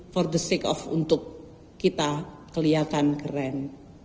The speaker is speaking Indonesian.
for the sake off untuk kita kelihatan keren